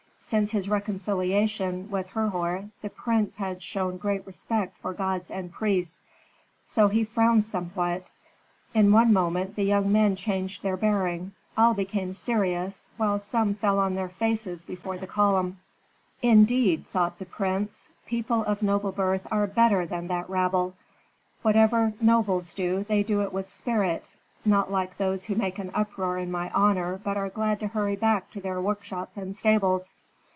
Since his reconciliation with Herhor the prince had shown great respect for gods and priests; so he frowned somewhat. In one moment the young men changed their bearing. All became serious, while some fell on their faces before the column. "Indeed," thought the prince, "people of noble birth are better than that rabble. Whatever nobles do they do it with spirit, not like those who make an uproar in my honor but are glad to hurry back to their workshops and stables."